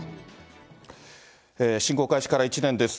侵攻開始から１年です。